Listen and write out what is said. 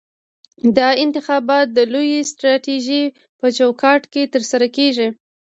دا انتخاب د لویې سټراټیژۍ په چوکاټ کې ترسره کیږي.